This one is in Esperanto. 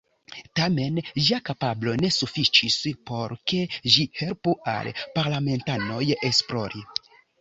Tamen ĝia kapablo ne sufiĉis por ke ĝi helpu al parlamentanoj esplori.